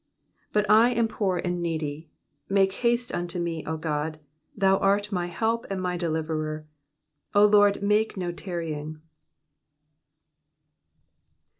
5 But I am poor and needy : make haste unto me, O God : thou art my help and my deliverer ; O LORD, make no tarrying.